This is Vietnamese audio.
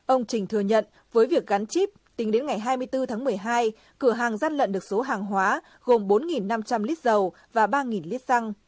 ông trình thừa nhận với việc gắn chip tính đến ngày hai mươi bốn tháng một mươi hai cửa hàng dắt lận được số hàng hóa gồm bốn năm trăm linh lít giá